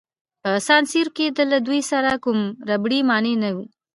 په سان سیرو کې له دوی سره کوم ربړي مانع نه وو.